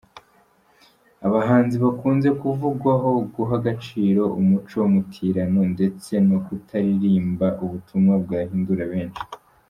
Abahanzi bakunze kuvugwaho guha agaciro umuco mutirano ndetse no kutaririmba ubutumwa bwahindura benshi.